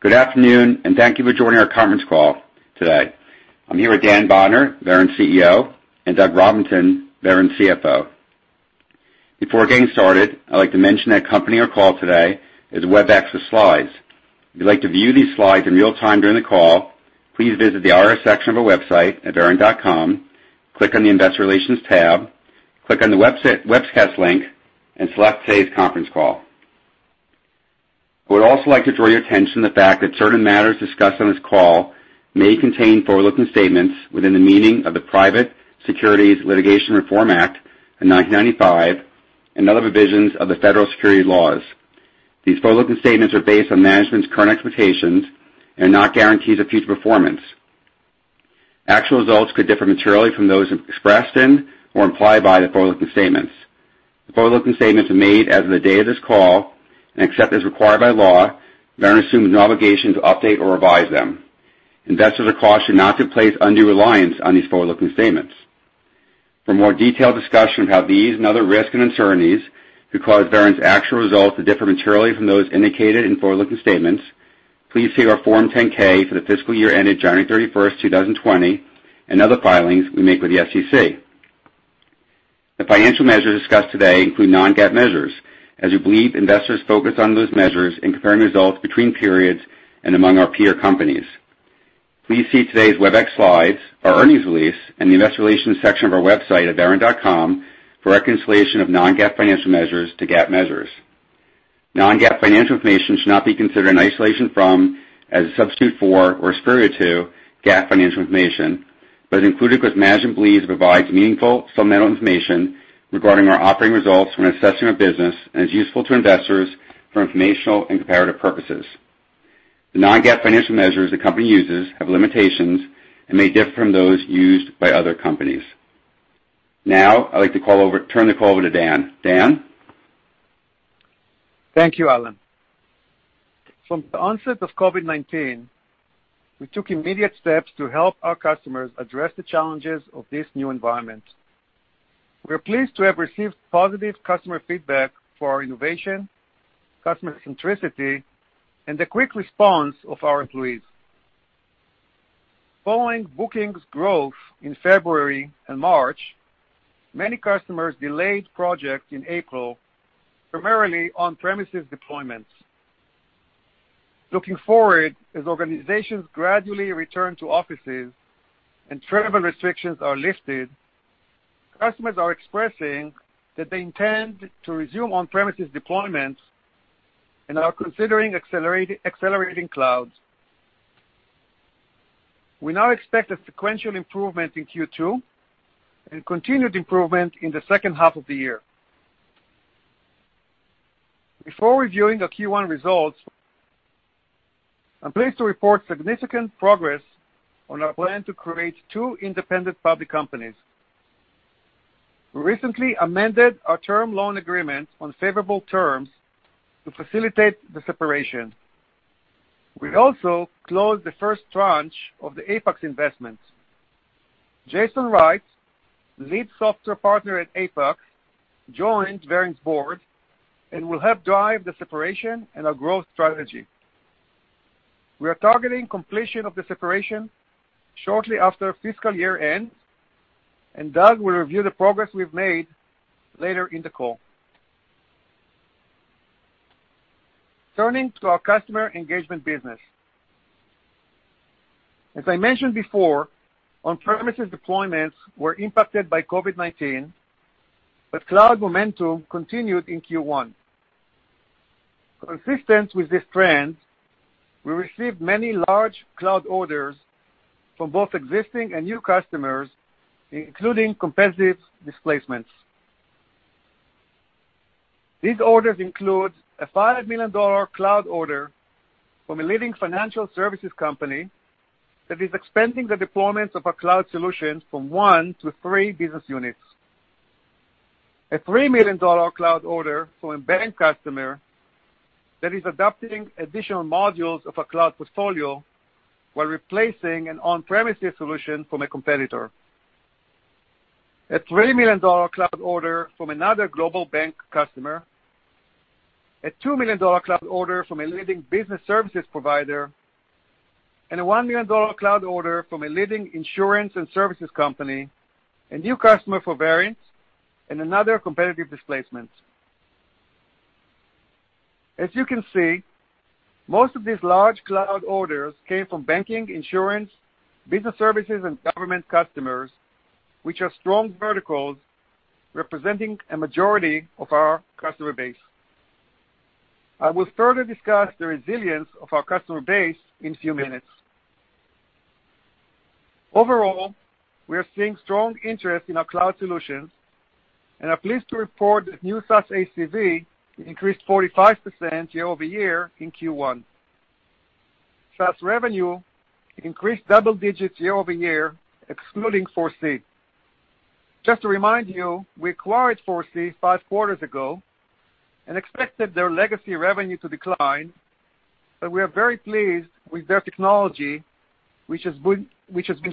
Good afternoon, and thank you for joining our conference call today. I'm here with Dan Bodner, Verint CEO, and Doug Robinson, Verint CFO. Before getting started, I'd like to mention that the company we're calling today is Webex with Slides. If you'd like to view these slides in real time during the call, please visit the IR section of our website at verint.com, click on the Investor Relations tab, click on the Webcast link, and select Today's Conference Call. I would also like to draw your attention to the fact that certain matters discussed on this call may contain forward-looking statements within the meaning of the Private Securities Litigation Reform Act of 1995 and other provisions of the federal securities laws. These forward-looking statements are based on management's current expectations and are not guarantees of future performance. Actual results could differ materially from those expressed in or implied by the forward-looking statements. The forward-looking statements are made as of the date of this call, and except as required by law, Verint assumes no obligation to update or revise them. Investors are cautioned not to place undue reliance on these forward-looking statements. For a more detailed discussion of how these and other risks and uncertainties could cause Verint's actual results to differ materially from those indicated in forward-looking statements, please see our Form 10-K for the fiscal year ended January 31, 2020, and other filings we make with the SEC. The financial measures discussed today include non-GAAP measures, as we believe investors focus on those measures in comparing results between periods and among our peer companies. Please see today's Webex slides, our earnings release, and the Investor Relations section of our website at verint.com for reconciliation of non-GAAP financial measures to GAAP measures. Non-GAAP financial information should not be considered in isolation from, as a substitute for, or superior to, GAAP financial information, but is included, as management believes it provides meaningful, fundamental information regarding our operating results when assessing our business and is useful to investors for informational and comparative purposes. The non-GAAP financial measures the company uses have limitations and may differ from those used by other companies. Now, I'd like to turn the call over to Dan. Dan? Thank you, Alan. From the onset of COVID-19, we took immediate steps to help our customers address the challenges of this new environment. We're pleased to have received positive customer feedback for our innovation, customer centricity, and the quick response of our employees. Following bookings growth in February and March, many customers delayed projects in April, primarily on-premises deployments. Looking forward, as organizations gradually return to offices and travel restrictions are lifted, customers are expressing that they intend to resume on-premises deployments and are considering accelerating cloud. We now expect a sequential improvement in Q2 and continued improvement in the second half of the year. Before reviewing our Q1 results, I'm pleased to report significant progress on our plan to create two independent public companies. We recently amended our term loan agreement on favorable terms to facilitate the separation. We also closed the first tranche of the ApaX investments. Jason Wright, lead software partner at ApaX, joined Verint's board and will help drive the separation and our growth strategy. We are targeting completion of the separation shortly after fiscal year end, and Doug will review the progress we've made later in the call. Turning to our customer engagement business. As I mentioned before, on-premises deployments were impacted by COVID-19, but cloud momentum continued in Q1. Consistent with this trend, we received many large cloud orders from both existing and new customers, including competitive displacements. These orders include a $5 million cloud order from a leading financial services company that is expanding the deployments of our cloud solutions from one to three business units. A $3 million cloud order from a bank customer that is adopting additional modules of our cloud portfolio while replacing an on-premises solution from a competitor. A $3 million cloud order from another global bank customer. A $2 million cloud order from a leading business services provider and a $1 million cloud order from a leading insurance and services company, a new customer for Verint, and another competitive displacement. As you can see, most of these large cloud orders came from banking, insurance, business services, and government customers, which are strong verticals representing a majority of our customer base. I will further discuss the resilience of our customer base in a few minutes. Overall, we are seeing strong interest in our cloud solutions, and I'm pleased to report that new SaaS ACV increased 45% year over year in Q1. SaaS revenue increased double digits year over year, excluding ForeSee. Just to remind you, we acquired ForeSee five quarters ago and expected their legacy revenue to decline, but we are very pleased with their technology, which has been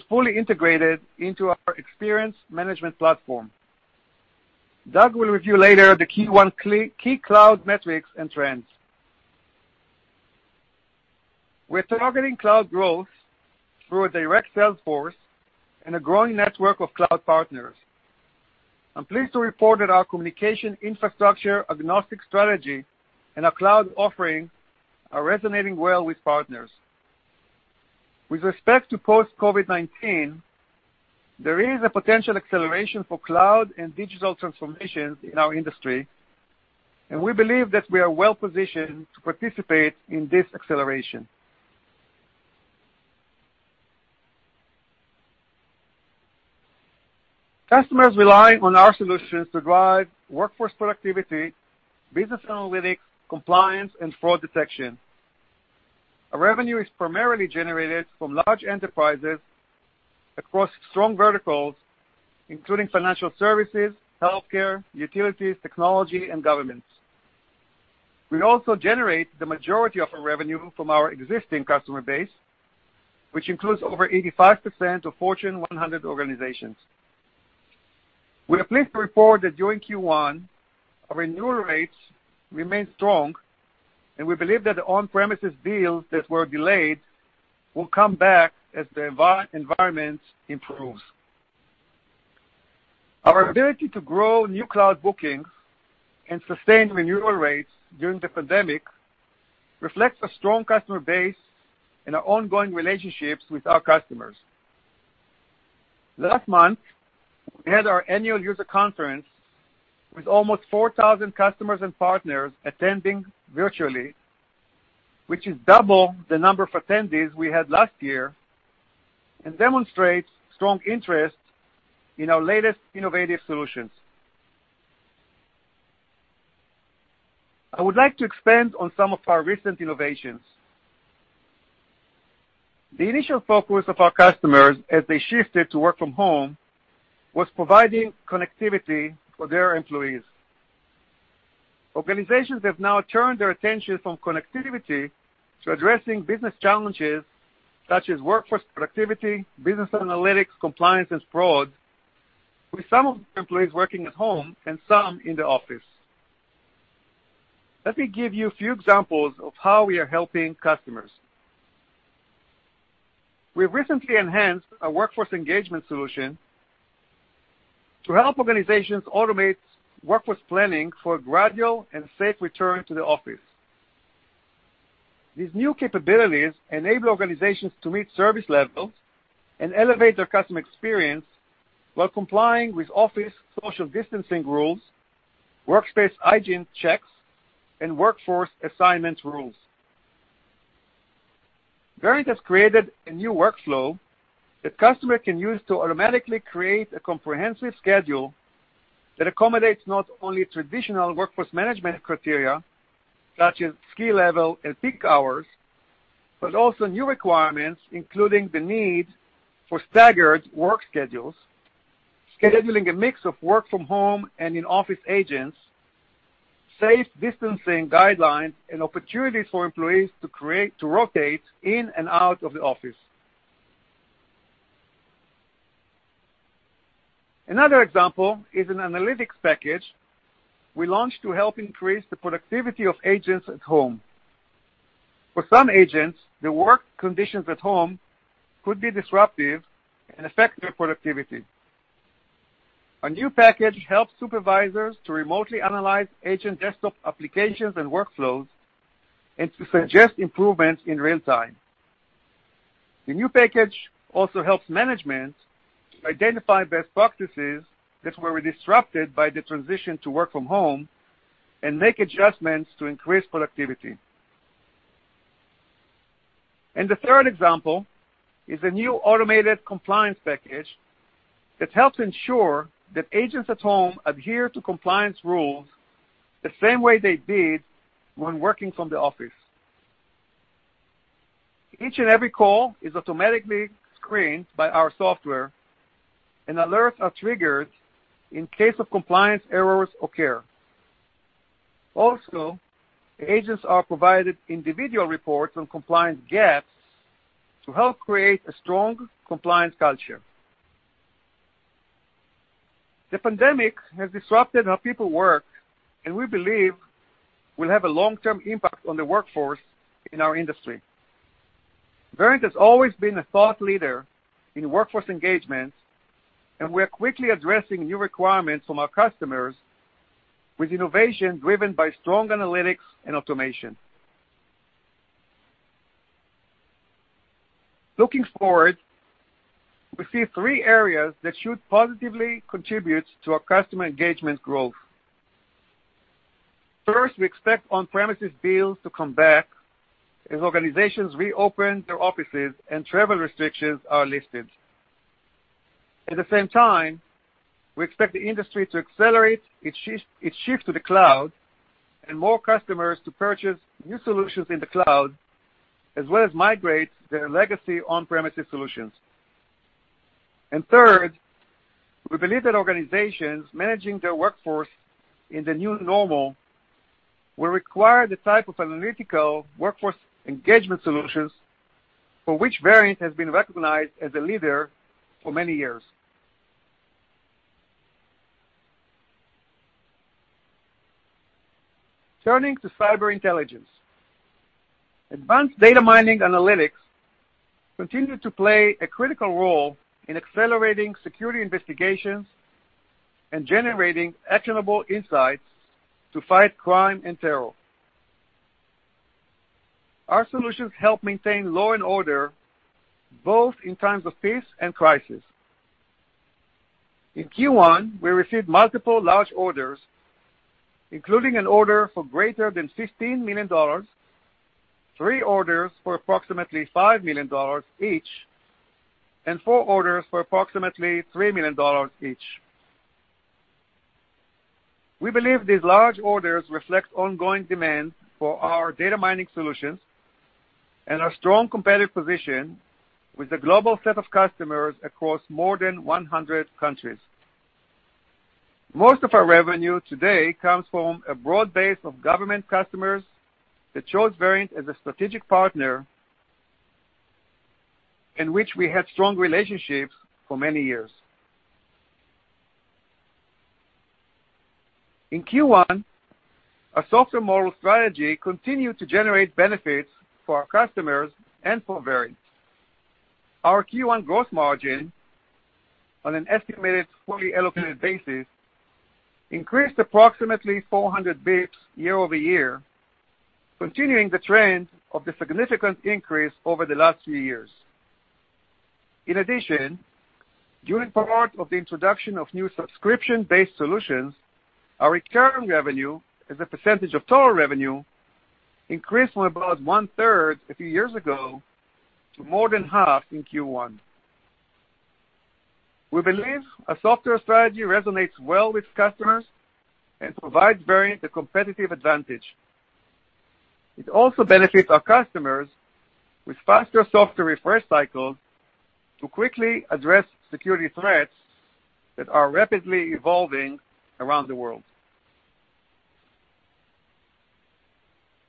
fully integrated into our Experience Management Platform. Doug will review later the Q1 key cloud metrics and trends. We're targeting cloud growth through a direct sales force and a growing network of cloud partners. I'm pleased to report that our communication infrastructure agnostic strategy and our cloud offering are resonating well with partners. With respect to post-COVID-19, there is a potential acceleration for cloud and digital transformations in our industry, and we believe that we are well positioned to participate in this acceleration. Customers rely on our solutions to drive workforce productivity, business analytics, compliance, and fraud detection. Our revenue is primarily generated from large enterprises across strong verticals, including financial services, healthcare, utilities, technology, and governments. We also generate the majority of our revenue from our existing customer base, which includes over 85% of Fortune 100 organizations. We are pleased to report that during Q1, our renewal rates remained strong, and we believe that the on-premises deals that were delayed will come back as the environment improves. Our ability to grow new cloud bookings and sustain renewal rates during the pandemic reflects a strong customer base and our ongoing relationships with our customers. Last month, we had our annual user conference with almost 4,000 customers and partners attending virtually, which is double the number of attendees we had last year and demonstrates strong interest in our latest innovative solutions. I would like to expand on some of our recent innovations. The initial focus of our customers as they shifted to work from home was providing connectivity for their employees. Organizations have now turned their attention from connectivity to addressing business challenges such as workforce productivity, business analytics, compliance, and fraud, with some of the employees working at home and some in the office. Let me give you a few examples of how we are helping customers. We've recently enhanced our workforce engagement solution to help organizations automate workforce planning for a gradual and safe return to the office. These new capabilities enable organizations to meet service levels and elevate their customer experience while complying with office social distancing rules, workspace hygiene checks, and workforce assignment rules. Verint has created a new workflow that customers can use to automatically create a comprehensive schedule that accommodates not only traditional workforce management criteria such as skill level and peak hours, but also new requirements including the need for staggered work schedules, scheduling a mix of work from home and in-office agents, safe distancing guidelines, and opportunities for employees to rotate in and out of the office. Another example is an analytics package we launched to help increase the productivity of agents at home. For some agents, the work conditions at home could be disruptive and affect their productivity. Our new package helps supervisors to remotely analyze agent desktop applications and workflows and to suggest improvements in real time. The new package also helps management to identify best practices that were disrupted by the transition to work from home and make adjustments to increase productivity. And the third example is a new automated compliance package that helps ensure that agents at home adhere to compliance rules the same way they did when working from the office. Each and every call is automatically screened by our software, and alerts are triggered in case of compliance errors or care. Also, agents are provided individual reports on compliance gaps to help create a strong compliance culture. The pandemic has disrupted how people work, and we believe it will have a long-term impact on the workforce in our industry. Verint has always been a thought leader in workforce engagement, and we are quickly addressing new requirements from our customers with innovation driven by strong analytics and automation. Looking forward, we see three areas that should positively contribute to our customer engagement growth. First, we expect on-premises deals to come back as organizations reopen their offices and travel restrictions are lifted. At the same time, we expect the industry to accelerate its shift to the cloud and more customers to purchase new solutions in the cloud, as well as migrate their legacy on-premises solutions, and third, we believe that organizations managing their workforce in the new normal will require the type of analytical workforce engagement solutions for which Verint has been recognized as a leader for many years. Turning to cyber intelligence. Advanced data mining analytics continue to play a critical role in accelerating security investigations and generating actionable insights to fight crime and terror. Our solutions help maintain law and order both in times of peace and crisis. In Q1, we received multiple large orders, including an order for greater than $15 million, three orders for approximately $5 million each, and four orders for approximately $3 million each. We believe these large orders reflect ongoing demand for our data mining solutions and our strong competitive position with a global set of customers across more than 100 countries. Most of our revenue today comes from a broad base of government customers that chose Verint as a strategic partner in which we had strong relationships for many years. In Q1, our software model strategy continued to generate benefits for our customers and for Verint. Our Q1 gross margin on an estimated fully allocated basis increased approximately 400 basis points year over year, continuing the trend of the significant increase over the last few years. In addition, during part of the introduction of new subscription-based solutions, our recurring revenue, as a percentage of total revenue, increased from about one-third a few years ago to more than half in Q1. We believe our software strategy resonates well with customers and provides Verint a competitive advantage. It also benefits our customers with faster software refresh cycles to quickly address security threats that are rapidly evolving around the world.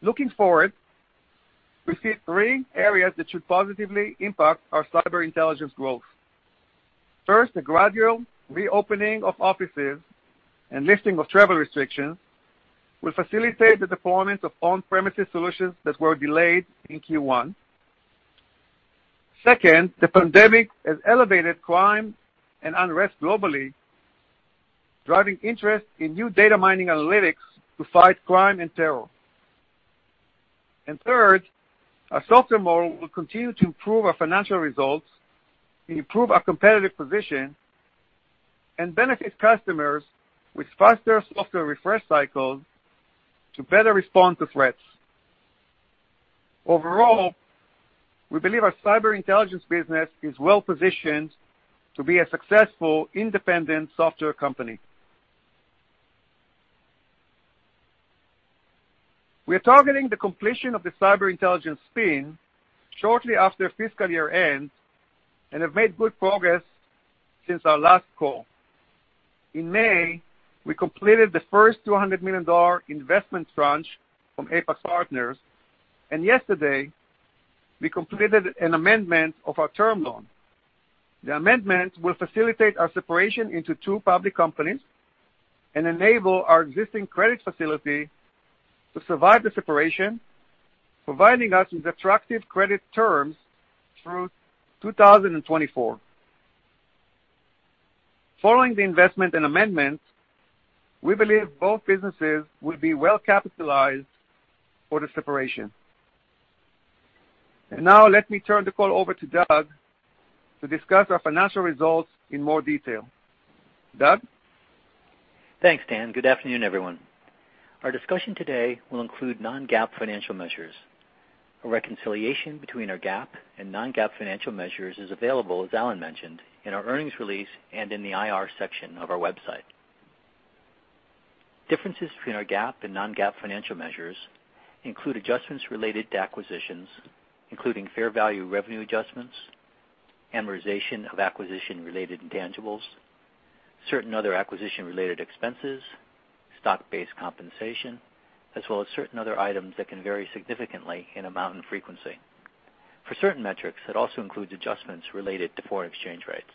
Looking forward, we see three areas that should positively impact our cyber intelligence growth. First, the gradual reopening of offices and lifting of travel restrictions will facilitate the deployment of on-premises solutions that were delayed in Q1. Second, the pandemic has elevated crime and unrest globally, driving interest in new data mining analytics to fight crime and terror. Third, our software model will continue to improve our financial results, improve our competitive position, and benefit customers with faster software refresh cycles to better respond to threats. Overall, we believe our cyber intelligence business is well positioned to be a successful independent software company. We are targeting the completion of the cyber intelligence spin shortly after fiscal year end and have made good progress since our last call. In May, we completed the first $200 million investment tranche from Apax Partners, and yesterday, we completed an amendment of our term loan. The amendment will facilitate our separation into two public companies and enable our existing credit facility to survive the separation, providing us with attractive credit terms through 2024. Following the investment and amendment, we believe both businesses will be well capitalized for the separation. Now, let me turn the call over to Doug to discuss our financial results in more detail. Doug? Thanks, Dan. Good afternoon, everyone. Our discussion today will include non-GAAP financial measures. A reconciliation between our GAAP and non-GAAP financial measures is available, as Alan mentioned, in our earnings release and in the IR section of our website. Differences between our GAAP and non-GAAP financial measures include adjustments related to acquisitions, including fair value revenue adjustments, amortization of acquisition-related intangibles, certain other acquisition-related expenses, stock-based compensation, as well as certain other items that can vary significantly in amount and frequency for certain metrics that also include adjustments related to foreign exchange rates.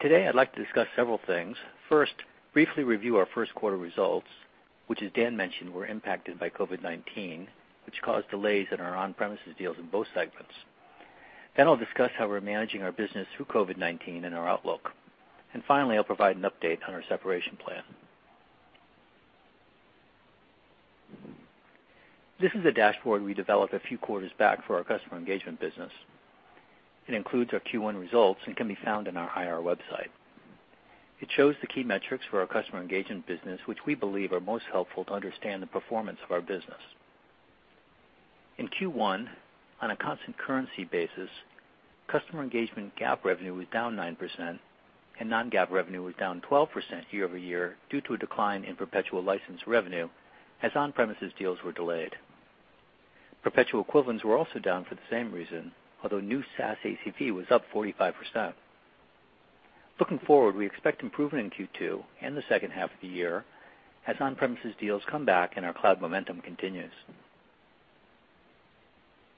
Today, I'd like to discuss several things. First, briefly review our first quarter results, which, as Dan mentioned, were impacted by COVID-19, which caused delays in our on-premises deals in both segments. Then, I'll discuss how we're managing our business through COVID-19 and our outlook, and finally, I'll provide an update on our separation plan. This is a dashboard we developed a few quarters back for our customer engagement business. It includes our Q1 results and can be found on our IR website. It shows the key metrics for our customer engagement business, which we believe are most helpful to understand the performance of our business. In Q1, on a constant currency basis, customer engagement GAAP revenue was down 9%, and non-GAAP revenue was down 12% year over year due to a decline in perpetual license revenue as on-premises deals were delayed. Perpetual equivalents were also down for the same reason, although new SaaS ACV was up 45%. Looking forward, we expect improvement in Q2 and the second half of the year as on-premises deals come back and our cloud momentum continues.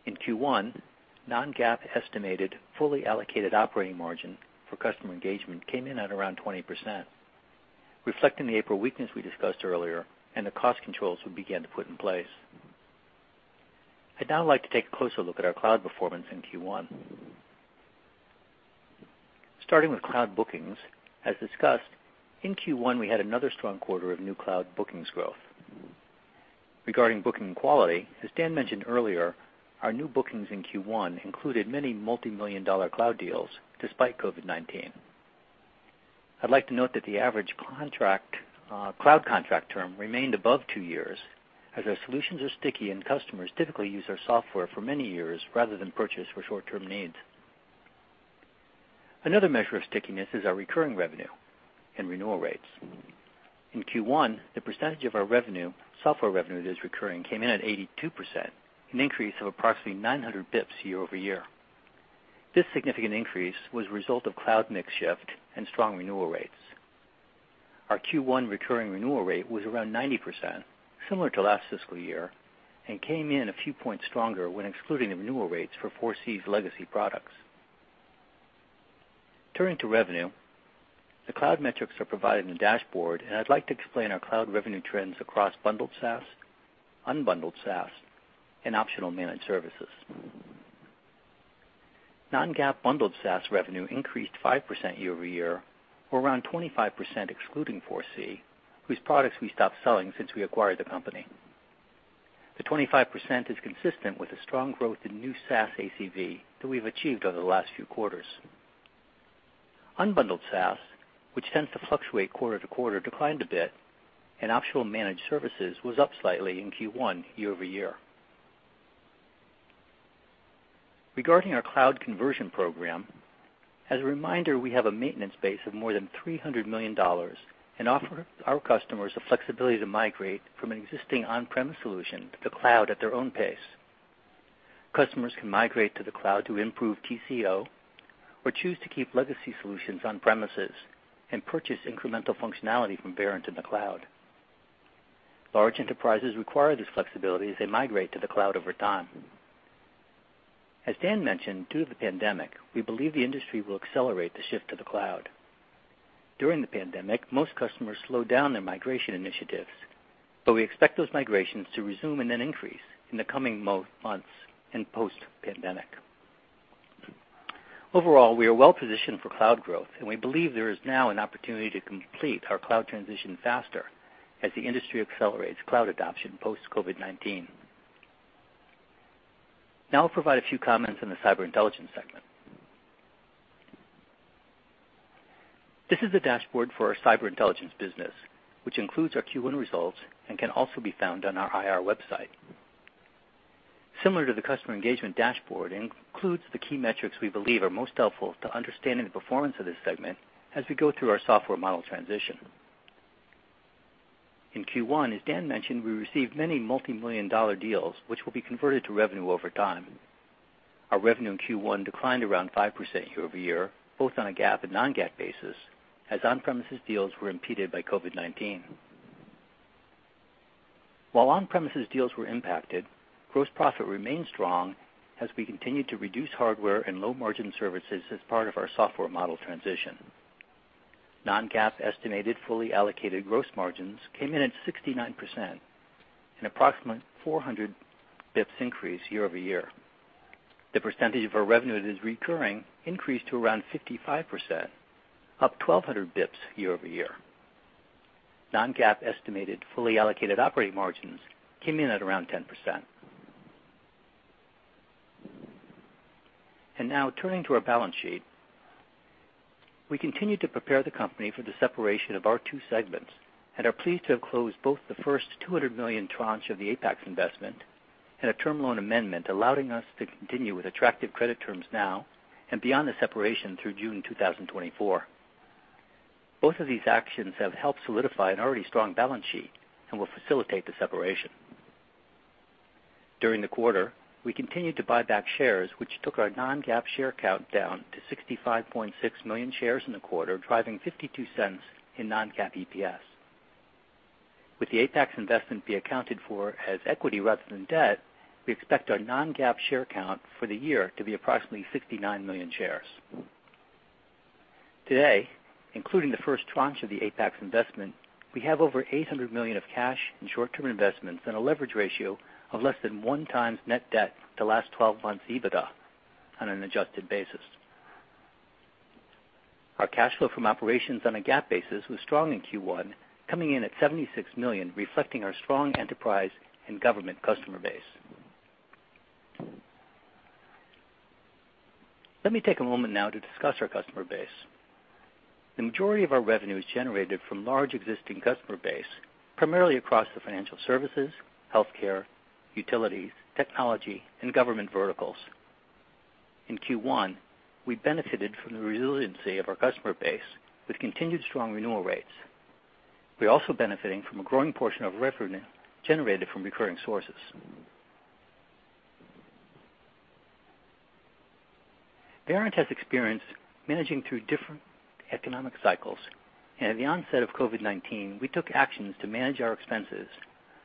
In Q1, Non-GAAP estimated fully allocated operating margin for customer engagement came in at around 20%, reflecting the April weakness we discussed earlier and the cost controls we began to put in place. I'd now like to take a closer look at our cloud performance in Q1. Starting with cloud bookings, as discussed, in Q1, we had another strong quarter of new cloud bookings growth. Regarding booking quality, as Dan mentioned earlier, our new bookings in Q1 included many multi-million-dollar cloud deals despite COVID-19. I'd like to note that the average cloud contract term remained above two years as our solutions are sticky and customers typically use our software for many years rather than purchase for short-term needs. Another measure of stickiness is our recurring revenue and renewal rates. In Q1, the percentage of our software revenue that is recurring came in at 82%, an increase of approximately 900 basis points year over year. This significant increase was the result of cloud mix shift and strong renewal rates. Our Q1 recurring renewal rate was around 90%, similar to last fiscal year, and came in a few points stronger when excluding the renewal rates for ForeSee Legacy products. Turning to revenue, the cloud metrics are provided in the dashboard, and I'd like to explain our cloud revenue trends across bundled SaaS, unbundled SaaS, and optional managed services. Non-GAAP bundled SaaS revenue increased 5% year over year, or around 25% excluding ForeSee, whose products we stopped selling since we acquired the company. The 25% is consistent with a strong growth in new SaaS ACV that we've achieved over the last few quarters. Unbundled SaaS, which tends to fluctuate quarter to quarter, declined a bit, and optional managed services was up slightly in Q1 year over year. Regarding our cloud conversion program, as a reminder, we have a maintenance base of more than $300 million and offer our customers the flexibility to migrate from an existing on-premises solution to the cloud at their own pace. Customers can migrate to the cloud to improve TCO or choose to keep legacy solutions on-premises and purchase incremental functionality from Verint in the cloud. Large enterprises require this flexibility as they migrate to the cloud over time. As Dan mentioned, due to the pandemic, we believe the industry will accelerate the shift to the cloud. During the pandemic, most customers slowed down their migration initiatives, but we expect those migrations to resume and then increase in the coming months and post-pandemic. Overall, we are well positioned for cloud growth, and we believe there is now an opportunity to complete our cloud transition faster as the industry accelerates cloud adoption post-COVID-19. Now, I'll provide a few comments on the cyber intelligence segment. This is the dashboard for our cyber intelligence business, which includes our Q1 results and can also be found on our IR website. Similar to the customer engagement dashboard, it includes the key metrics we believe are most helpful to understanding the performance of this segment as we go through our software model transition. In Q1, as Dan mentioned, we received many multi-million dollar deals, which will be converted to revenue over time. Our revenue in Q1 declined around 5% year over year, both on a GAAP and non-GAAP basis as on-premises deals were impeded by COVID-19. While on-premises deals were impacted, gross profit remained strong as we continued to reduce hardware and low-margin services as part of our software model transition. Non-GAAP estimated fully allocated gross margins came in at 69%, an approximate 400 basis points increase year over year. The percentage of our revenue that is recurring increased to around 55%, up 1,200 basis points year over year. Non-GAAP estimated fully allocated operating margins came in at around 10%. Now, turning to our balance sheet, we continue to prepare the company for the separation of our two segments and are pleased to have closed both the first $200 million tranche of the Apax investment and a term loan amendment allowing us to continue with attractive credit terms now and beyond the separation through June 2024. Both of these actions have helped solidify an already strong balance sheet and will facilitate the separation. During the quarter, we continued to buy back shares, which took our non-GAAP share count down to 65.6 million shares in the quarter, driving $0.52 in non-GAAP EPS. With the Apax investment being accounted for as equity rather than debt, we expect our non-GAAP share count for the year to be approximately 69 million shares. Today, including the first tranche of the Apax investment, we have over $800 million of cash and short-term investments and a leverage ratio of less than one times net debt the last 12 months EBITDA on an adjusted basis. Our cash flow from operations on a GAAP basis was strong in Q1, coming in at $76 million, reflecting our strong enterprise and government customer base. Let me take a moment now to discuss our customer base. The majority of our revenue is generated from large existing customer base, primarily across the financial services, healthcare, utilities, technology, and government verticals. In Q1, we benefited from the resiliency of our customer base with continued strong renewal rates. We're also benefiting from a growing portion of revenue generated from recurring sources. Verint has experience managing through different economic cycles, and at the onset of COVID-19, we took actions to manage our expenses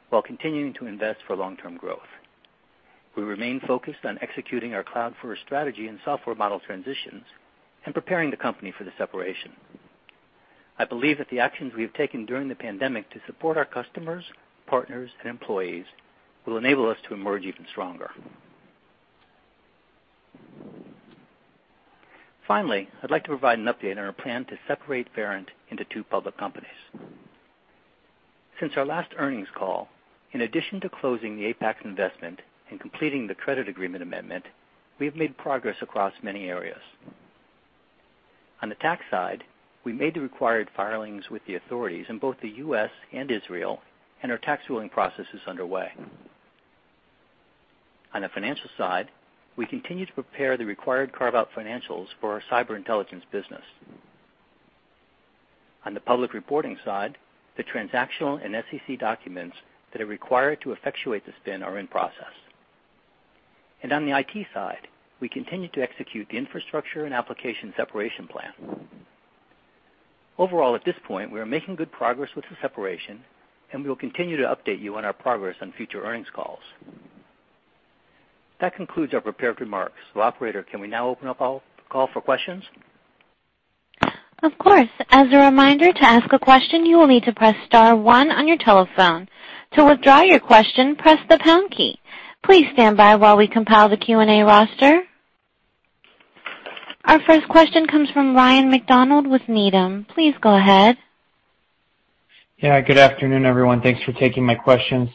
while continuing to invest for long-term growth. We remain focused on executing our cloud-first strategy and software model transitions and preparing the company for the separation. I believe that the actions we have taken during the pandemic to support our customers, partners, and employees will enable us to emerge even stronger. Finally, I'd like to provide an update on our plan to separate Verint into two public companies. Since our last earnings call, in addition to closing the Apax investment and completing the credit agreement amendment, we have made progress across many areas. On the tax side, we made the required filings with the authorities in both the U.S. and Israel, and our tax ruling process is underway. On the financial side, we continue to prepare the required carve-out financials for our cyber intelligence business. On the public reporting side, the transactional and SEC documents that are required to effectuate the spin are in process. And on the IT side, we continue to execute the infrastructure and application separation plan. Overall, at this point, we are making good progress with the separation, and we will continue to update you on our progress on future earnings calls. That concludes our prepared remarks. So, Operator, can we now open up the call for questions? Of course. As a reminder, to ask a question, you will need to press star one on your telephone. To withdraw your question, press the pound key. Please stand by while we compile the Q&A roster. Our first question comes from Ryan MacDonald with Needham. Please go ahead. Yeah. Good afternoon, everyone. Thanks for taking my questions.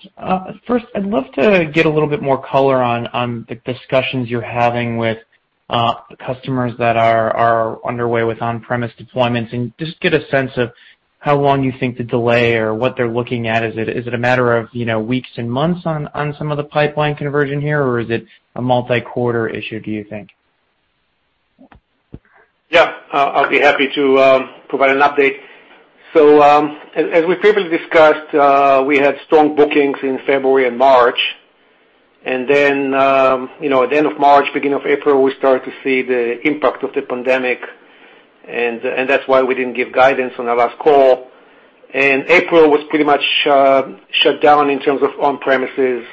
First, I'd love to get a little bit more color on the discussions you're having with customers that are underway with on-premise deployments and just get a sense of how long you think the delay or what they're looking at. Is it a matter of weeks and months on some of the pipeline conversion here, or is it a multi-quarter issue, do you think? Yeah. I'll be happy to provide an update. So, as we previously discussed, we had strong bookings in February and March. Then, at the end of March, beginning of April, we started to see the impact of the pandemic, and that's why we didn't give guidance on our last call. April was pretty much shut down in terms of on-premises.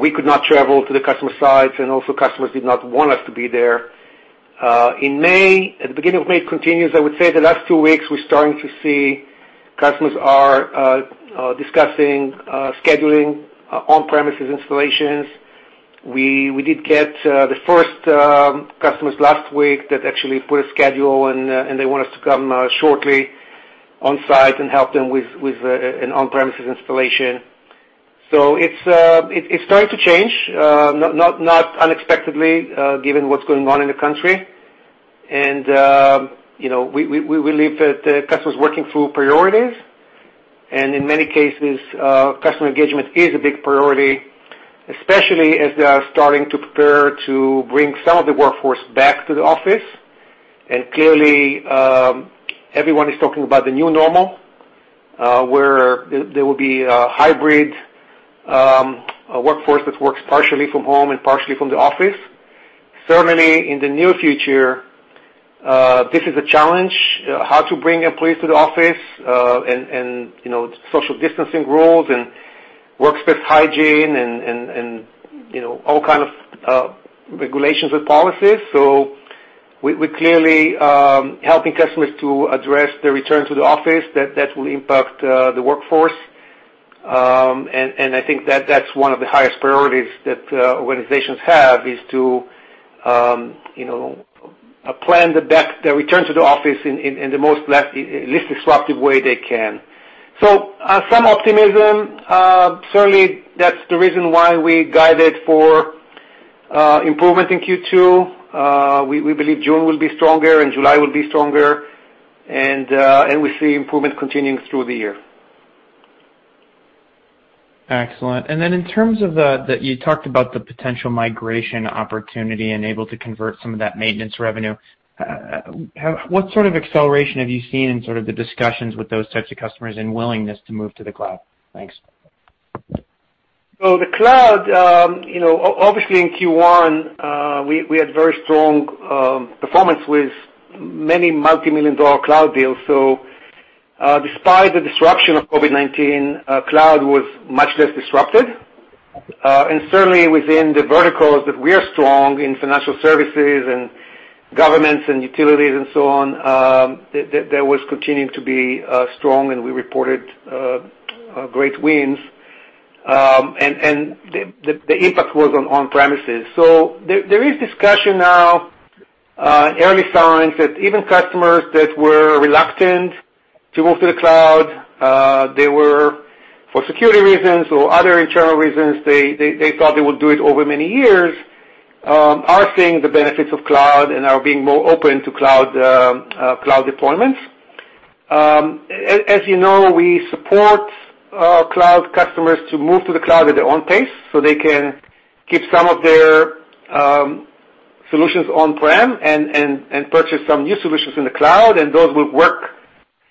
We could not travel to the customer sites, and also, customers did not want us to be there. In May, at the beginning of May, it continues. I would say the last two weeks, we're starting to see customers are discussing scheduling on-premises installations. We did get the first customers last week that actually put a schedule, and they want us to come shortly on-site and help them with an on-premises installation. It's starting to change, not unexpectedly, given what's going on in the country. We believe that customers are working through priorities, and in many cases, customer engagement is a big priority, especially as they are starting to prepare to bring some of the workforce back to the office. Clearly, everyone is talking about the new normal where there will be a hybrid workforce that works partially from home and partially from the office. Certainly, in the near future, this is a challenge: how to bring employees to the office and social distancing rules and workspace hygiene and all kinds of regulations and policies. We're clearly helping customers to address the return to the office that will impact the workforce. I think that that's one of the highest priorities that organizations have: to plan the return to the office in the most least disruptive way they can. Some optimism. Certainly, that's the reason why we guided for improvement in Q2. We believe June will be stronger, and July will be stronger, and we see improvement continuing through the year. Excellent. And then, in terms of that, you talked about the potential migration opportunity and able to convert some of that maintenance revenue. What sort of acceleration have you seen in sort of the discussions with those types of customers and willingness to move to the cloud? Thanks. So the cloud, obviously, in Q1, we had very strong performance with many multi-million-dollar cloud deals. So despite the disruption of COVID-19, cloud was much less disrupted. And certainly, within the verticals that we are strong in financial services and governments and utilities and so on, there was continuing to be strong, and we reported great wins. And the impact was on on-premises. So there is discussion now, early signs, that even customers that were reluctant to move to the cloud, they were for security reasons or other internal reasons, they thought they would do it over many years, are seeing the benefits of cloud and are being more open to cloud deployments. As you know, we support cloud customers to move to the cloud at their own pace so they can keep some of their solutions on-prem and purchase some new solutions in the cloud. And those will work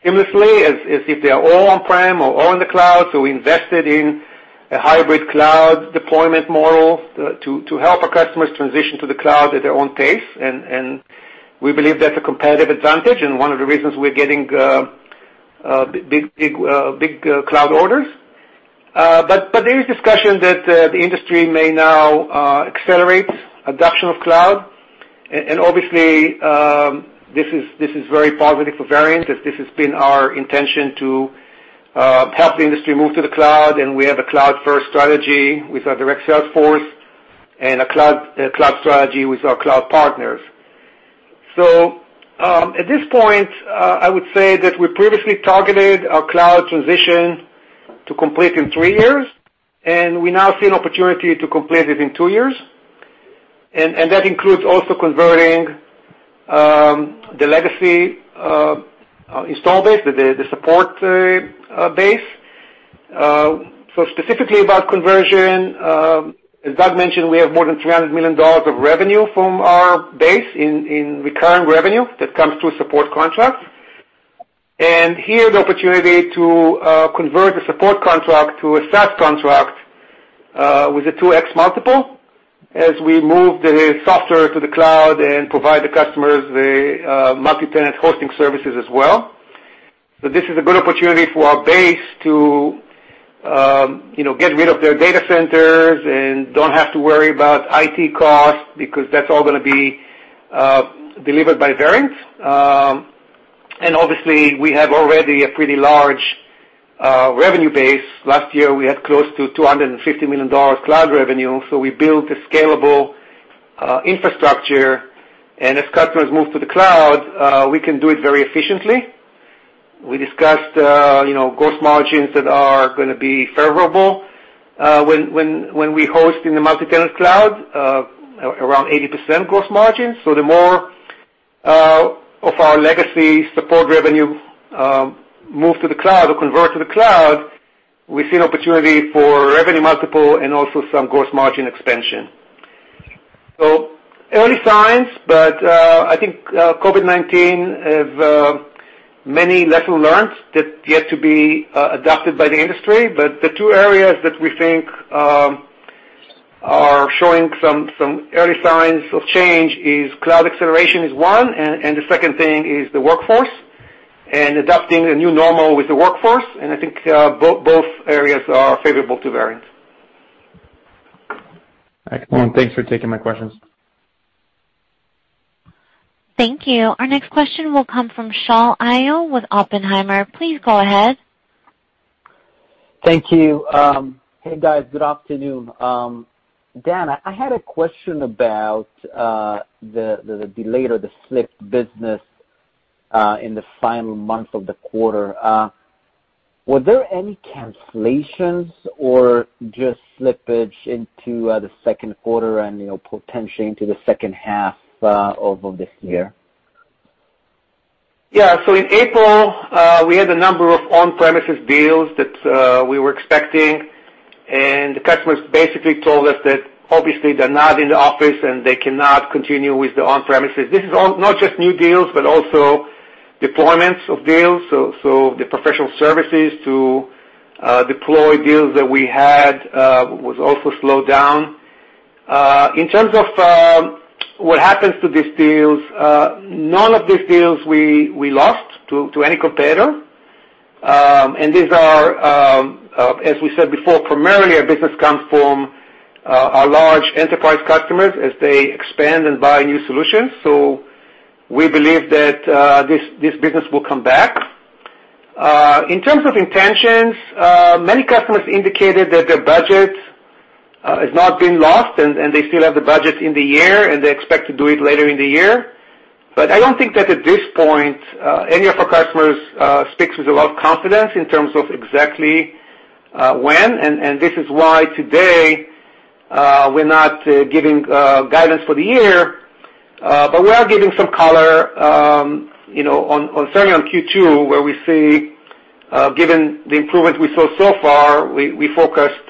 seamlessly as if they are all on-prem or all in the cloud. So we invested in a hybrid cloud deployment model to help our customers transition to the cloud at their own pace. And we believe that's a competitive advantage and one of the reasons we're getting big cloud orders. But there is discussion that the industry may now accelerate adoption of cloud. And obviously, this is very positive for Verint as this has been our intention to help the industry move to the cloud. And we have a cloud-first strategy with our direct sales force and a cloud strategy with our cloud partners. So at this point, I would say that we previously targeted our cloud transition to complete in three years, and we now see an opportunity to complete it in two years. And that includes also converting the legacy installed base, the support base. So specifically about conversion, as Doug mentioned, we have more than $300 million of revenue from our base in recurring revenue that comes through support contracts. And here, the opportunity to convert the support contract to a SaaS contract with a 2x multiple as we move the software to the cloud and provide the customers the multi-tenant hosting services as well. This is a good opportunity for our base to get rid of their data centers and don't have to worry about IT costs because that's all going to be delivered by Verint. And obviously, we have already a pretty large revenue base. Last year, we had close to $250 million cloud revenue. We built a scalable infrastructure. And as customers move to the cloud, we can do it very efficiently. We discussed gross margins that are going to be favorable when we host in the multi-tenant cloud, around 80% gross margin. The more of our legacy support revenue moved to the cloud or converted to the cloud, we see an opportunity for revenue multiple and also some gross margin expansion. Early signs, but I think COVID-19 has many lessons learned that yet to be adopted by the industry. But the two areas that we think are showing some early signs of change is cloud acceleration is one, and the second thing is the workforce and adopting the new normal with the workforce. And I think both areas are favorable to Verint. Excellent. Thanks for taking my questions. Thank you. Our next question will come from Shaul Eyal with Oppenheimer. Please go ahead. Thank you. Hey, guys. Good afternoon. Dan, I had a question about the delayed or the slipped business in the final month of the quarter. Were there any cancellations or just slippage into the second quarter and potentially into the second half of this year? Yeah. So in April, we had a number of on-premises deals that we were expecting. And the customers basically told us that obviously they're not in the office and they cannot continue with the on-premises. This is not just new deals, but also deployments of deals, so the professional services to deploy deals that we had was also slowed down. In terms of what happens to these deals, none of these deals we lost to any competitor, and these are, as we said before, primarily a business comes from our large enterprise customers as they expand and buy new solutions, so we believe that this business will come back. In terms of intentions, many customers indicated that their budget has not been lost, and they still have the budget in the year, and they expect to do it later in the year, but I don't think that at this point any of our customers speaks with a lot of confidence in terms of exactly when, and this is why today we're not giving guidance for the year. We are giving some color on certainly on Q2, where we see given the improvements we saw so far, we focused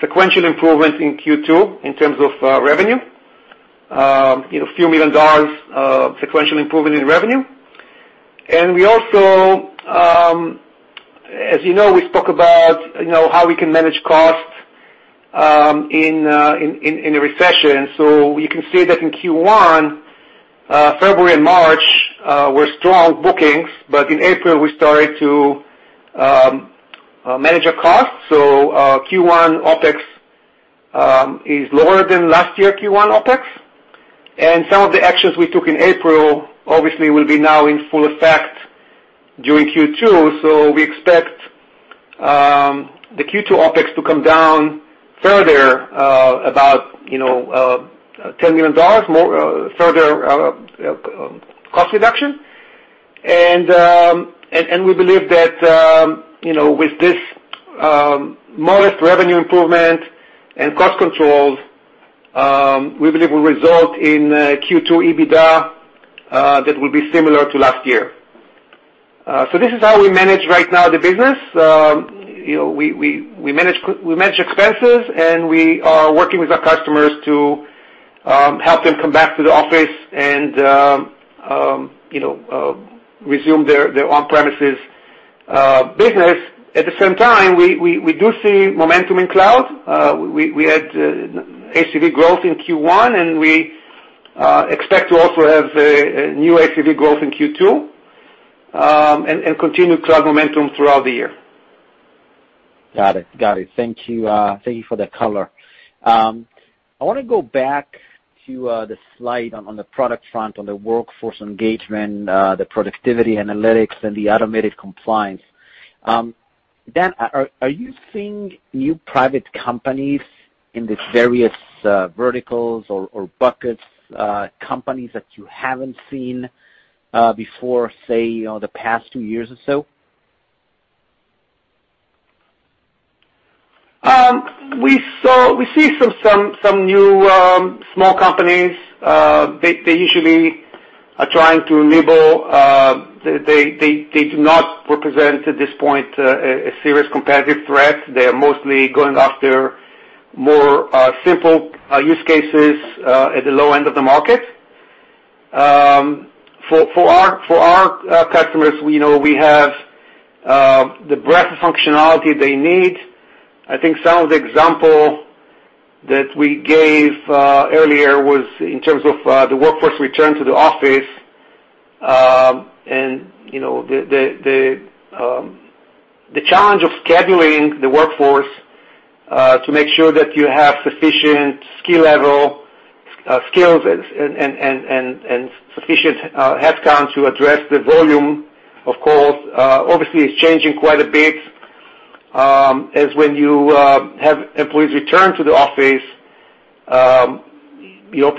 sequential improvements in Q2 in terms of revenue, a few million dollars sequential improvement in revenue. We also, as you know, spoke about how we can manage costs in a recession. You can see that in Q1, February and March were strong bookings, but in April, we started to manage our costs. Q1 OpEx is lower than last year Q1 OpEx. Some of the actions we took in April obviously will be now in full effect during Q2. We expect the Q2 OpEx to come down further, about $10 million further cost reduction. We believe that with this modest revenue improvement and cost control, we believe will result in Q2 EBITDA that will be similar to last year. So this is how we manage right now the business. We manage expenses, and we are working with our customers to help them come back to the office and resume their on-premises business. At the same time, we do see momentum in cloud. We had ACV growth in Q1, and we expect to also have new ACV growth in Q2 and continue cloud momentum throughout the year. Got it. Got it. Thank you for the color. I want to go back to the slide on the product front, on the workforce engagement, the productivity analytics, and the automated compliance. Dan, are you seeing new private companies in these various verticals or buckets, companies that you haven't seen before, say, the past two years or so? We see some new small companies. They usually are trying to enable. They do not represent at this point a serious competitive threat. They are mostly going after more simple use cases at the low end of the market. For our customers, we have the breadth of functionality they need. I think some of the example that we gave earlier was in terms of the workforce return to the office and the challenge of scheduling the workforce to make sure that you have sufficient skill level, skills, and sufficient headcount to address the volume. Of course, obviously, it's changing quite a bit as when you have employees return to the office,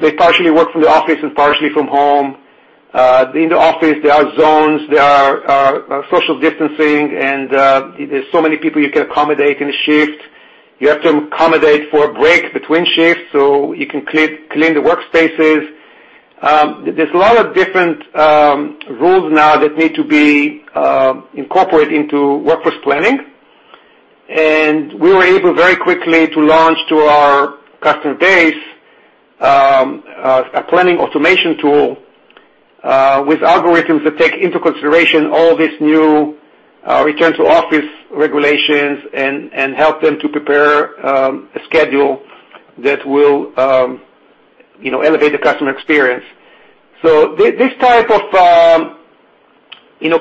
they partially work from the office and partially from home. In the office, there are zones, there are social distancing, and there's so many people you can accommodate in a shift. You have to accommodate for a break between shifts so you can clean the workspaces. There's a lot of different rules now that need to be incorporated into workforce planning. And we were able very quickly to launch to our customer base a planning automation tool with algorithms that take into consideration all these new return to office regulations and help them to prepare a schedule that will elevate the customer experience. So this type of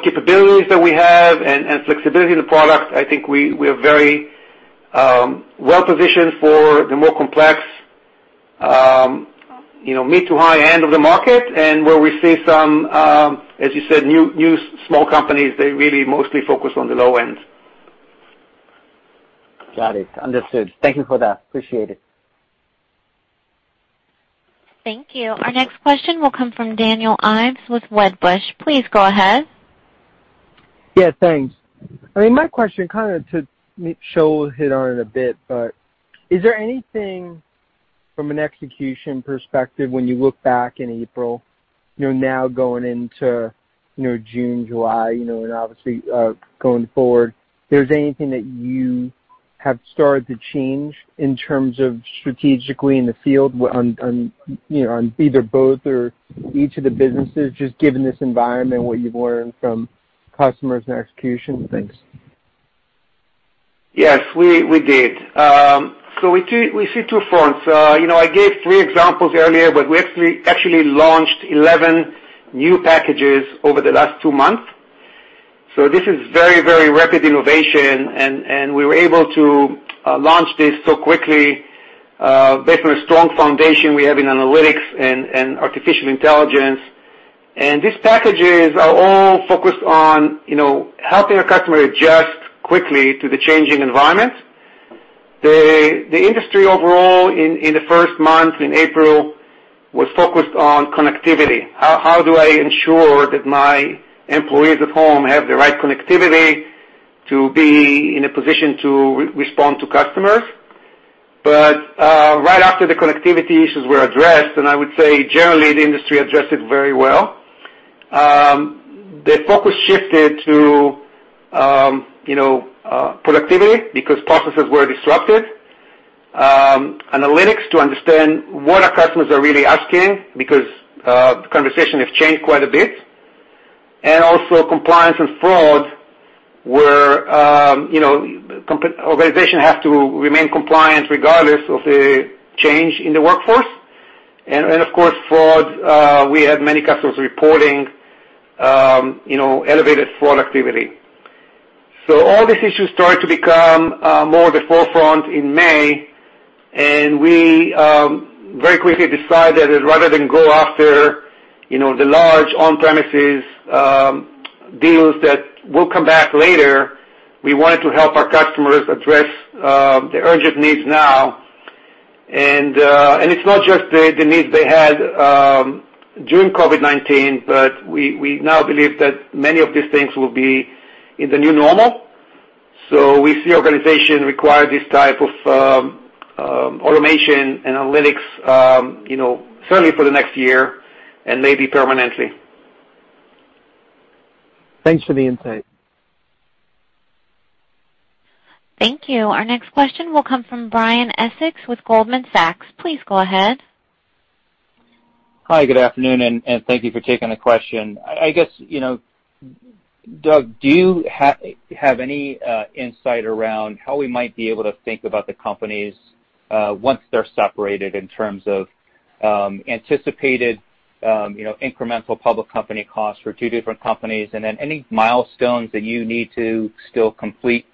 capabilities that we have and flexibility in the product, I think we are very well positioned for the more complex mid to high end of the market and where we see some, as you said, new small companies that really mostly focus on the low end. Got it. Understood. Thank you for that. Appreciate it. Thank you. Our next question will come from Daniel Ives with Wedbush. Please go ahead. Yes, thanks. I mean, my question kind of touches on it a bit, but is there anything from an execution perspective when you look back in April, now going into June, July, and obviously going forward, there's anything that you have started to change in terms of strategically in the field on either both or each of the businesses, just given this environment, what you've learned from customers and execution? Thanks. Yes, we did. So we see two fronts. I gave three examples earlier, but we actually launched 11 new packages over the last two months. So this is very, very rapid innovation. And we were able to launch this so quickly based on a strong foundation we have in analytics and artificial intelligence. And these packages are all focused on helping a customer adjust quickly to the changing environment. The industry overall in the first month in April was focused on connectivity. How do I ensure that my employees at home have the right connectivity to be in a position to respond to customers? But right after the connectivity issues were addressed, and I would say generally the industry addressed it very well, the focus shifted to productivity because processes were disrupted, analytics to understand what our customers are really asking because the conversation has changed quite a bit, and also compliance and fraud where organizations have to remain compliant regardless of the change in the workforce. And of course, fraud, we had many customers reporting elevated fraud activity. So all these issues started to become more of the forefront in May. And we very quickly decided that rather than go after the large on-premises deals that will come back later, we wanted to help our customers address the urgent needs now. And it's not just the needs they had during COVID-19, but we now believe that many of these things will be in the new normal. So we see organizations require this type of automation and analytics certainly for the next year and maybe permanently. Thanks for the insight. Thank you. Our next question will come from Brian Essex with Goldman Sachs. Please go ahead. Hi, good afternoon, and thank you for taking the question. I guess, Doug, do you have any insight around how we might be able to think about the companies once they're separated in terms of anticipated incremental public company costs for two different companies? And then any milestones that you need to still complete,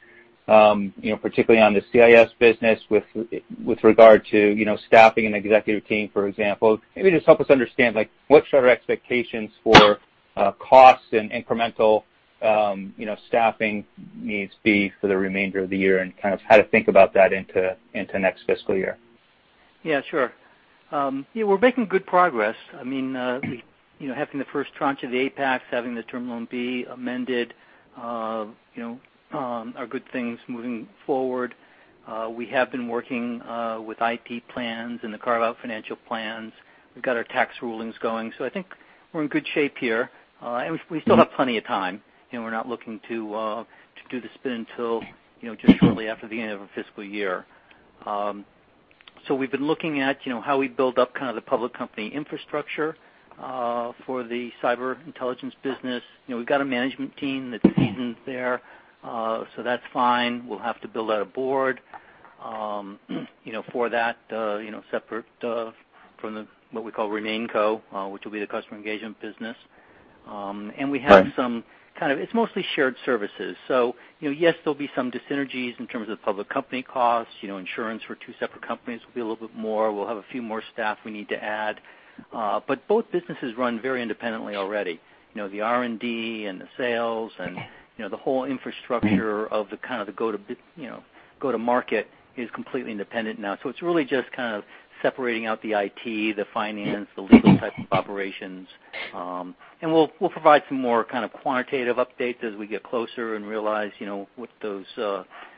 particularly on the CIS business with regard to staffing and executive team, for example? Maybe just help us understand what should our expectations for costs and incremental staffing needs be for the remainder of the year and kind of how to think about that into next fiscal year. Yeah, sure. Yeah, we're making good progress. I mean, having the first tranche of the Apax, having the Term Loan B amended are good things moving forward. We have been working with IT plans and the carve-out financial plans. We've got our tax rulings going. So I think we're in good shape here. And we still have plenty of time. We're not looking to do the spin until just shortly after the end of the fiscal year. So we've been looking at how we build up kind of the public company infrastructure for the Cyber Intelligence business. We've got a management team that's seasoned there. So that's fine. We'll have to build out a board for that separate from what we call RemainCo, which will be the Customer Engagement business. And we have some kind of it's mostly shared services. So yes, there'll be some dyssynergies in terms of the public company costs. Insurance for two separate companies will be a little bit more. We'll have a few more staff we need to add. But both businesses run very independently already. The R&D and the sales and the whole infrastructure of the kind of the go-to-market is completely independent now. So it's really just kind of separating out the IT, the finance, the legal type of operations. We'll provide some more kind of quantitative updates as we get closer and realize what those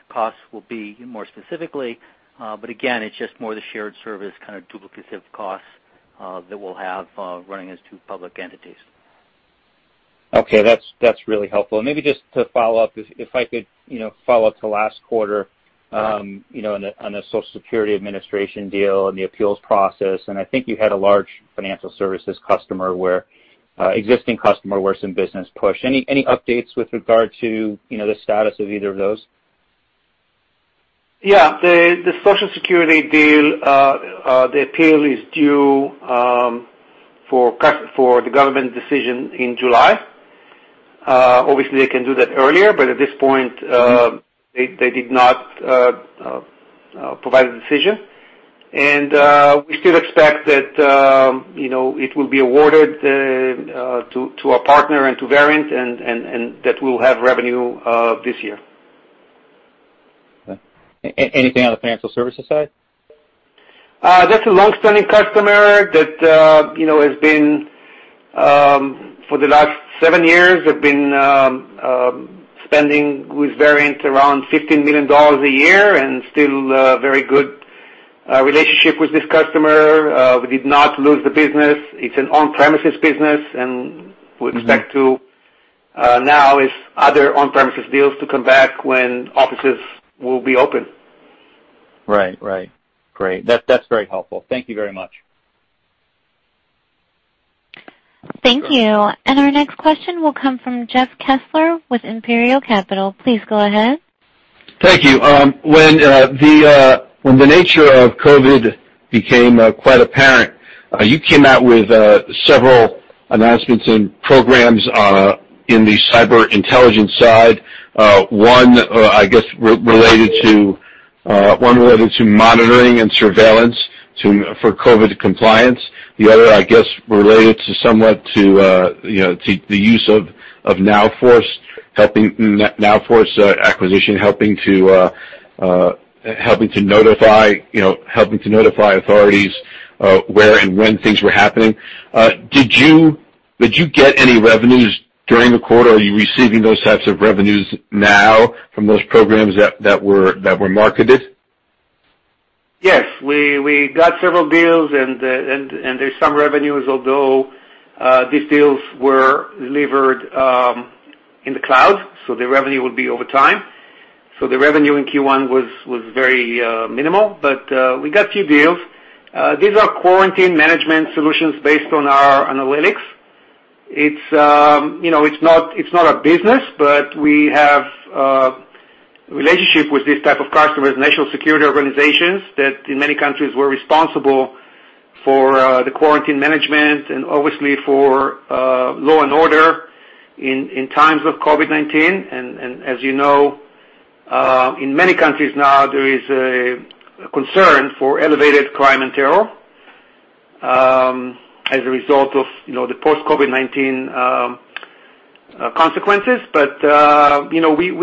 costs will be more specifically. Again, it's just more of the shared service kind of duplicative costs that we'll have running as two public entities. Okay, that's really helpful. Maybe just to follow up, if I could follow up to last quarter on the Social Security Administration deal and the appeals process. I think you had a large financial services customer where existing customer were some business push. Any updates with regard to the status of either of those? Yeah, the Social Security deal, the appeal is due for the government decision in July. Obviously, they can do that earlier, but at this point, they did not provide a decision. We still expect that it will be awarded to our partner and to Verint and that we'll have revenue this year. Anything on the financial services side? That's a long-standing customer that has been for the last seven years spending with Verint around $15 million a year and still very good relationship with this customer. We did not lose the business. It's an on-premises business, and we expect to now see other on-premises deals to come back when offices will be open. Right, right. Great. That's very helpful. Thank you very much. Thank you. Our next question will come from Jeff Kessler with Imperial Capital. Please go ahead. Thank you. When the nature of COVID became quite apparent, you came out with several announcements and programs in the cyber intelligence side. One, I guess, related to monitoring and surveillance for COVID compliance. The other, I guess, related somewhat to the use of NowForce, helping NowForce acquisition, helping to notify authorities where and when things were happening. Did you get any revenues during the quarter? Are you receiving those types of revenues now from those programs that were marketed? Yes, we got several deals, and there's some revenues, although these deals were delivered in the cloud. So the revenue would be over time. So the revenue in Q1 was very minimal, but we got a few deals. These are quarantine management solutions based on our analytics. It's not a business, but we have a relationship with these types of customers, national security organizations that in many countries were responsible for the quarantine management and obviously for law and order in times of COVID-19. As you know, in many countries now, there is a concern for elevated crime and terror as a result of the post-COVID-19 consequences. But we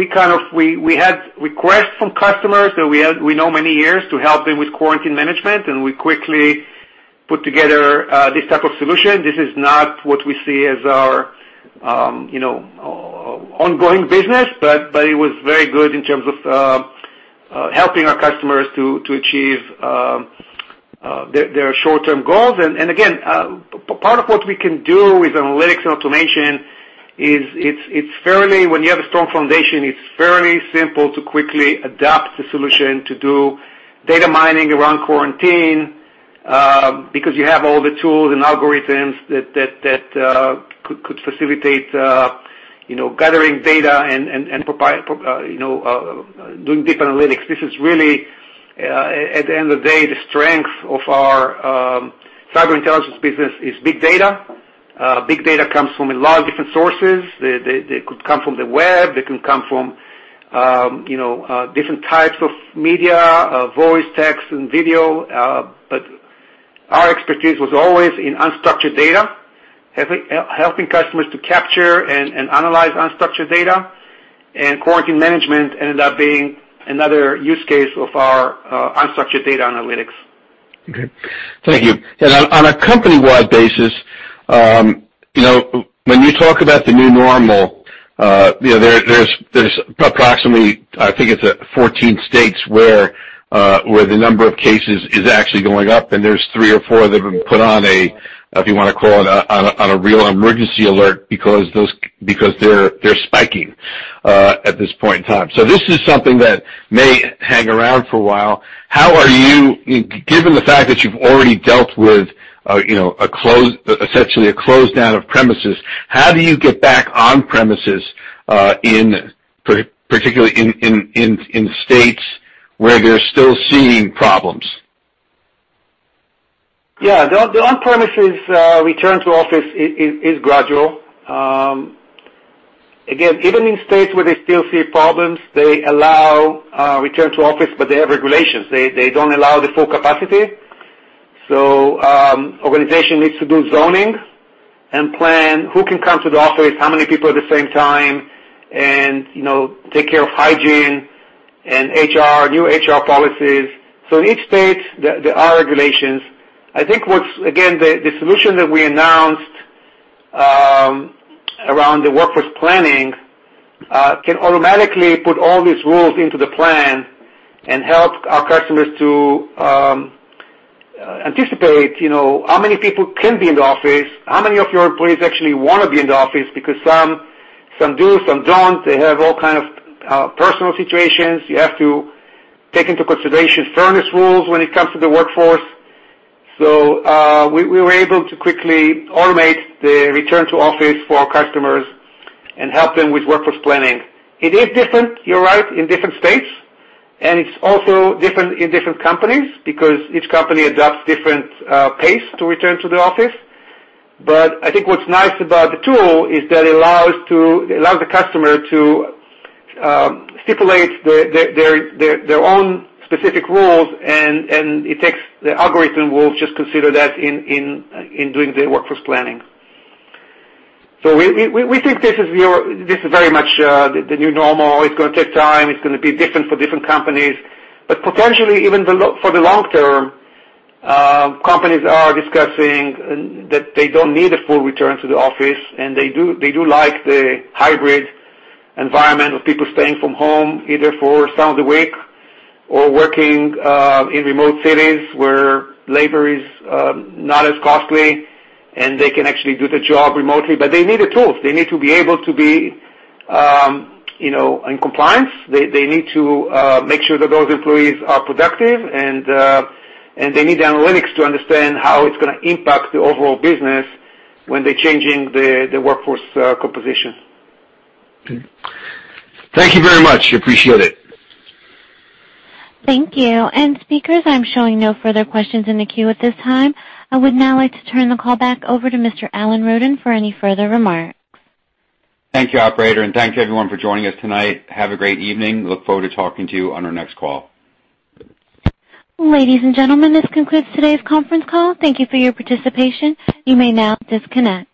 kind of had requests from customers that we know many years to help them with quarantine management, and we quickly put together this type of solution. This is not what we see as our ongoing business, but it was very good in terms of helping our customers to achieve their short-term goals. Again, part of what we can do with analytics and automation is. It's fairly simple when you have a strong foundation to quickly adapt the solution to do data mining around quarantine because you have all the tools and algorithms that could facilitate gathering data and doing deep analytics. This is really, at the end of the day, the strength of our Cyber Intelligence business is big data. Big data comes from a lot of different sources. They could come from the web. They can come from different types of media, voice, text, and video. But our expertise was always in unstructured data, helping customers to capture and analyze unstructured data. And quarantine management ended up being another use case of our unstructured data analytics. Okay. Thank you. And on a company-wide basis, when you talk about the new normal, there's approximately, I think it's 14 states where the number of cases is actually going up, and there's three or four that have been put on a, if you want to call it, on a real emergency alert because they're spiking at this point in time. So this is something that may hang around for a while. How are you, given the fact that you've already dealt with essentially a close down of premises, how do you get back on-premises, particularly in states where they're still seeing problems? Yeah, the on-premises return to office is gradual. Again, even in states where they still see problems, they allow return to office, but they have regulations. They don't allow the full capacity. So organization needs to do zoning and plan who can come to the office, how many people at the same time, and take care of hygiene and HR, new HR policies. So in each state, there are regulations. I think, again, the solution that we announced around the workforce planning can automatically put all these rules into the plan and help our customers to anticipate how many people can be in the office, how many of your employees actually want to be in the office because some do, some don't. They have all kinds of personal situations. You have to take into consideration fairness rules when it comes to the workforce. So we were able to quickly automate the return to office for our customers and help them with workforce planning. It is different, you're right, in different states. And it's also different in different companies because each company adopts different pace to return to the office. But I think what's nice about the tool is that it allows the customer to stipulate their own specific rules, and the algorithm will just consider that in doing the workforce planning. So we think this is very much the new normal. It's going to take time. It's going to be different for different companies. But potentially, even for the long term, companies are discussing that they don't need a full return to the office, and they do like the hybrid environment of people staying from home either for some of the week or working in remote cities where labor is not as costly, and they can actually do the job remotely. But they need the tools. They need to be able to be in compliance. They need to make sure that those employees are productive, and they need the analytics to understand how it's going to impact the overall business when they're changing the workforce composition. Okay. Thank you very much. Appreciate it. Thank you. And speakers, I'm showing no further questions in the queue at this time. I would now like to turn the call back over to Mr. Alan Roden for any further remarks. Thank you, operator, and thank you, everyone, for joining us tonight. Have a great evening. Look forward to talking to you on our next call. Ladies and gentlemen, this concludes today's conference call. Thank you for your participation. You may now disconnect.